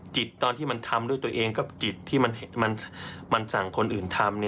จิตตอนที่มันทำด้วยตัวเองกับจิตที่มันสั่งคนอื่นทำ